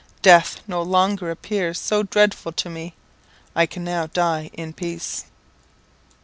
Death no longer appears so dreadful to me. I can now die in peace."